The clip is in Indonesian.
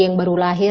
yang baru lahir